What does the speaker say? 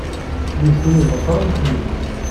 Nitni ḍefren-kem-id.